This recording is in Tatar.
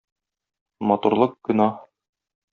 Матурлык гөнаһ!